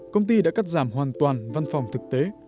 công ty đã cắt giảm hoàn toàn văn phòng thực tế